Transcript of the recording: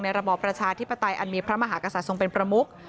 ระบอบประชาธิปไตยอันมีพระมหากษัตว์ทรงเป็นประมุก